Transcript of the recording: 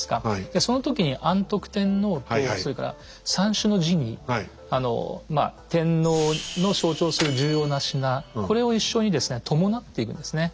でその時に安徳天皇とそれから三種の神器天皇の象徴する重要な品これを一緒に伴っていくんですね。